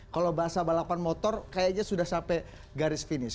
kalau bahasa balapan motor kayaknya sudah sampai garis finish